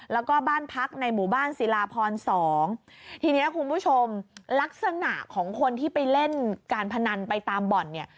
แล้วก็บ้านพักในหมู่บ้านศิลาพรสองทีเนี้ยคุณผู้ชมลักษณะของคนที่ไปเล่นการพนันไปตามบ่อนเนี่ย